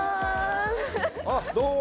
あっどうも！